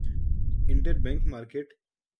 inter bank market